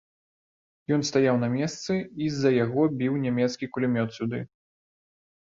Ён стаяў на месцы, і з-за яго біў нямецкі кулямёт сюды.